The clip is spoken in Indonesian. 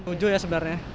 setuju ya sebenarnya